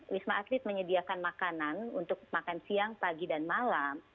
wisma atlet menyediakan makanan untuk makan siang pagi dan malam